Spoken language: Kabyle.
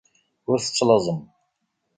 Ur tettlaẓem.